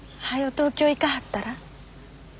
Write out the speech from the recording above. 東京行かはったら？